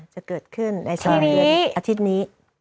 จะเกิดขึ้นใน๒เดือนอาทิตย์นี้